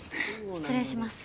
失礼します。